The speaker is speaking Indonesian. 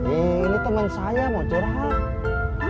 ini teman saya mau curhat